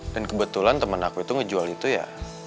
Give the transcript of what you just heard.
dan kebetulan temen aku itu ngejual itu ya